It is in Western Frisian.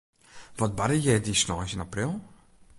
Wat barde hjir dy sneins yn april?